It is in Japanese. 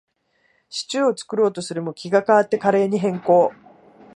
シチューを作ろうとするも、気が変わってカレーに変更